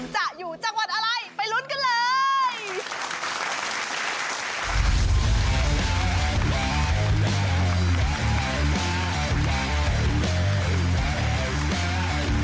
จะอยู่จังหวัดอะไรไปลุ้นกันเลย